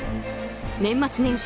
年末年始